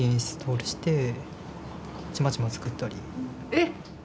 えっ！